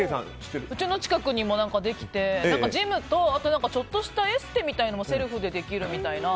うちの近くにもできてジムとちょっとしたエステもセルフでできるみたいな。